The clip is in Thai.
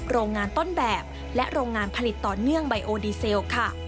โรงงานต้นแบบและโรงงานผลิตต่อเนื่องไบโอดีเซลค่ะ